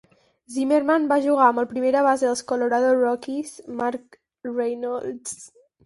Zimmerman va jugar amb el primera base dels Colorado Rockies, Mark Reynolds.